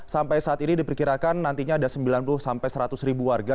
sampai saat ini diperkirakan nantinya ada sembilan puluh sampai seratus ribu warga